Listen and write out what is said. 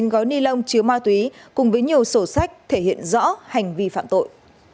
một mươi gói ni lông chứa ma túy cùng với nhiều sổ sách thể hiện rõ hành vi phạm tội